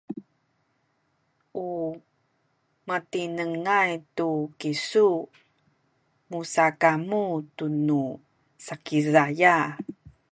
u matinengay tu kisu musakamu tunu Sakizaya